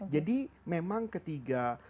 jadi memang ketika